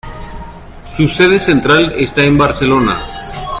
Su sede central está en Barcelona.